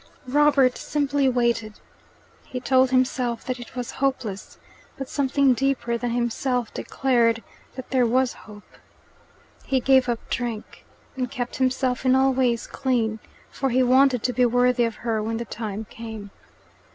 Robert simply waited. He told himself that it was hopeless; but something deeper than himself declared that there was hope. He gave up drink, and kept himself in all ways clean, for he wanted to be worthy of her when the time came.